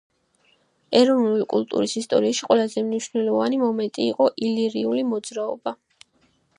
ეროვნული კულტურის ისტორიაში ყველაზე მნიშვნელოვანი მომენტი იყო ილირიული მოძრაობა.